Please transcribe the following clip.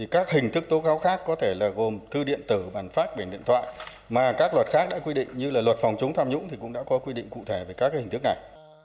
các hình thức tố cáo khác có thể là gồm thư điện tử bản phát bản điện thoại mà các luật khác đã quy định như là luật phòng chống tham nhũng thì cũng đã có quy định cụ thể về các hình thức này